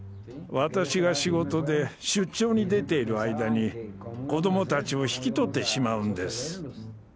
私が仕事で出張に出ている間に子どもたちを引き取ってしまうんです。